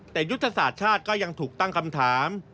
แต่ยุทธศาสตร์ชาติก็ยังถูกตั้งคำถาม